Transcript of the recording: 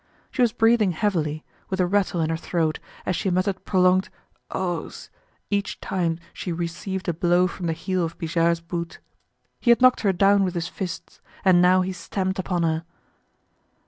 She was breathing heavily, with a rattle in her throat, as she muttered prolonged ohs! each time she received a blow from the heel of Bijard's boot. He had knocked her down with his fists, and now he stamped upon her.